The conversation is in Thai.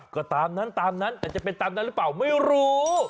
ก็ตามนั้นตามนั้นแต่จะเป็นตามนั้นหรือเปล่าไม่รู้